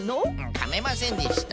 かめませんでした。